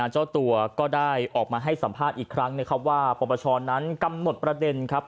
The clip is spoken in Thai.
เจ้าตัวก็ได้ออกมาให้สัมภาษณ์อีกครั้งนะครับว่าปปชนั้นกำหนดประเด็นครับ